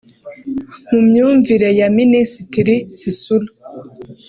mu myumvire ya Minisititri Sisulu